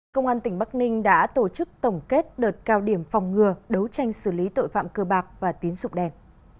công an tỉnh bắc ninh đã tổ chức tổng kết đợt cao điểm phòng ngừa đấu tranh xử lý tội phạm cơ bạc và tín dụng đen